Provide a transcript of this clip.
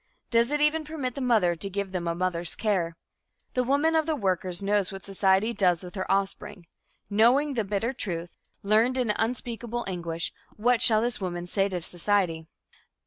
Does it even permit the mother to give them a mother's care? The woman of the workers knows what society does with her offspring. Knowing the bitter truth, learned in unspeakable anguish, what shall this woman say to society?